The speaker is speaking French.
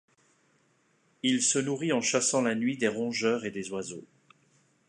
Il se nourrit en chassant la nuit des rongeurs et des oiseaux.